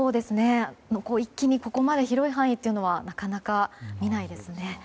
一気にここまで広い範囲というのはなかなか見ないですね。